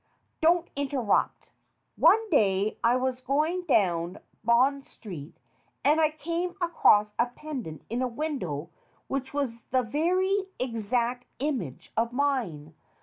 "Don't interrupt. One day I was going down Bond Street and I came across a pendant in a window which was the very exact image of mine.